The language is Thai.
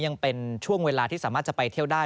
ยังเป็นช่วงเวลาที่สามารถจะไปเที่ยวได้